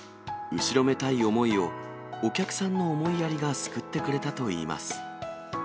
後ろめたい思いを、お客さんの思いやりが救ってくれたといいます。